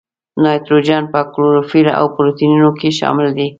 نایتروجن په کلوروفیل او پروټینونو کې شامل دی.